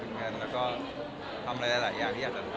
เก็บเงินและทำอะไรหลายอย่างที่อยากจะทำ